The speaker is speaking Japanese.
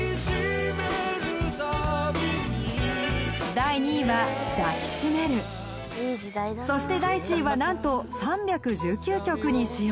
第２位は「抱きしめる」そして第１位はなんと３１９曲に使用